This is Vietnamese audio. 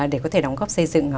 để có thể đóng góp xây dựng